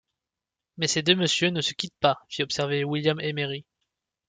Mais ces deux messieurs ne se quittent pas, fit observer William Emery.